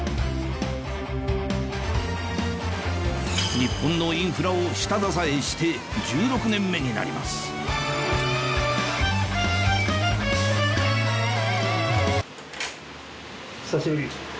日本のインフラを下支えして１６年目になります久しぶり。